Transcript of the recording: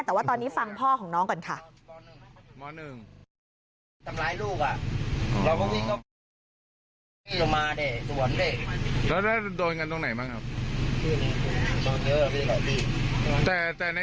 แต่ว่าตอนนี้ฟังพ่อของน้องก่อนค่ะ